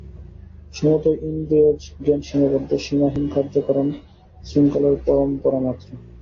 সমুদয় ইন্দ্রিয়জ জ্ঞান সীমাবদ্ধ, সীমাহীন কার্য-কারণ-শৃঙ্খলার পরম্পরা মাত্র।